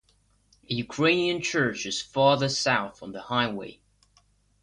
A Ukrainian church is farther south on the highway.